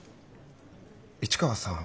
市川さん